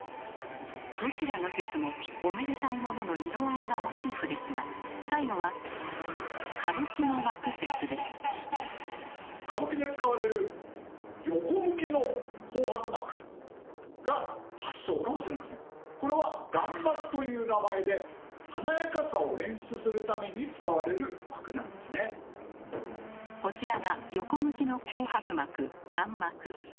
どちらの説もおめでたいものの色合いがモチーフですが最後はこれは「段幕」という名前でこちらが横向きの紅白幕「段幕」。